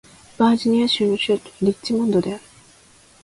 バージニア州の州都はリッチモンドである